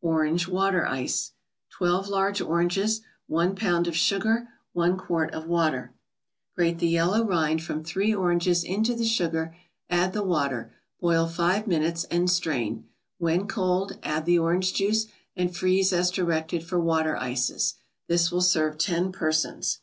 ORANGE WATER ICE 12 large oranges 1 pound of sugar 1 quart of water Grate the yellow rind from three oranges into the sugar, add the water, boil five minutes, and strain; when cold, add the orange juice, and freeze as directed for water ices. This will serve ten persons.